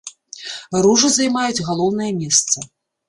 Ружы займаюць галоўнае месца.